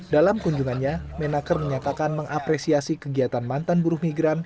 dalam kunjungannya menaker menyatakan mengapresiasi kegiatan mantan buruh migran